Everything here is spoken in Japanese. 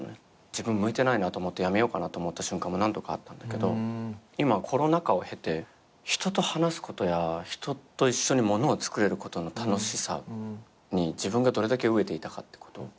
自分向いてないなと思って辞めようかなと思った瞬間も何度かあったんだけど今コロナ禍を経て人と話すことや人と一緒にものをつくれることの楽しさに自分がどれだけ飢えていたかってこと。